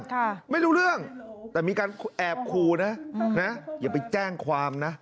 ค่ะไม่รู้เรื่องแต่มีการแอบขู่นะนะอย่าไปแจ้งความนะ